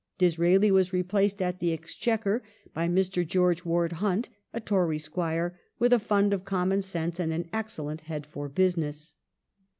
Disraeli was replaced at the Exchequer by Mr. George Ward Hunt, a Tory Squire, with a fund of common sense and an excellent head for business.